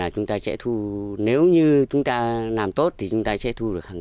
chúng ta sẽ thu nếu như chúng ta làm tốt thì chúng ta sẽ thu được